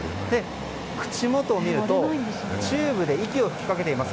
口元を見るとチューブで息を吹きかけています。